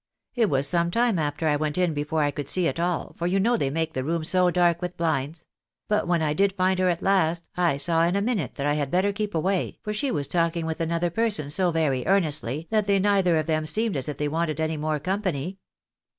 It was some time after I went in before I could see at all, for you know they make the room so dark with bhnds ; but when I did find her at last, I saw in a minute that I had better keep away, for she was talking with another person so very earnestly, that they neither of them seemed as if they wanted any more company."